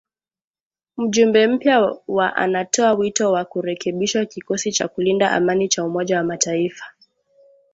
Mjumbe mpya wa anatoa wito wa kurekebishwa kikosi cha kulinda amani cha Umoja wa mataifa.